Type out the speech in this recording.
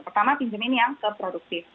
pertama pinjamin yang ke produktif